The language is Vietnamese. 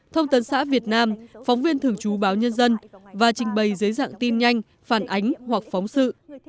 thông tấn xã việt nam phóng viên thường trú báo nhân dân và trình bày dưới dạng tin nhanh phản ánh hoặc phóng sự